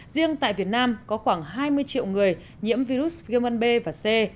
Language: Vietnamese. riêng tại việt nam có khoảng hai mươi triệu người nhiễm virus viêm gan b và c